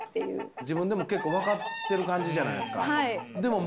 自分でも結構分かってる感じじゃないですか？